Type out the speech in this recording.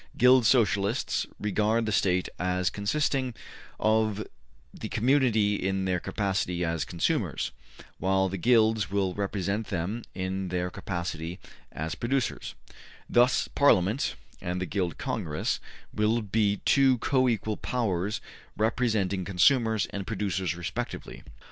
'' Guild Socialists regard the State as consisting of the community in their capacity as consumers, while the Guilds will represent them in their capacity as producers; thus Parliament and the Guild Congress will be two co equal powers representing consumers and producers respectively.